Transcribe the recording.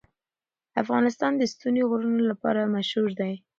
افغانستان د ستوني غرونه لپاره مشهور دی.